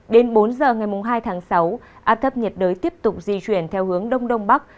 đến bốn giờ ngày hai tháng sáu áp thấp nhiệt đới tiếp tục di chuyển theo hướng đông đông bắc